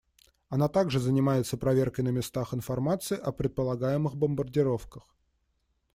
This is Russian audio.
Она также занимается проверкой на местах информации о предполагаемых бомбардировках.